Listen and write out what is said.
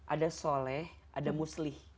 ada soleh ada muslih